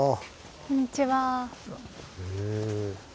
こんにちは。